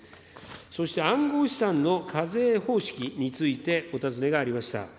そして暗号資産の課税方式についてお尋ねがありました。